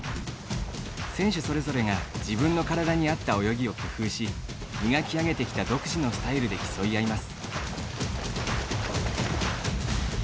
選手それぞれが自分の体にあった泳ぎを工夫し磨き上げてきた独自のスタイルで競い合います。